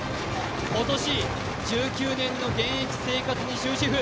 今年、１９年の現役生活に終止符。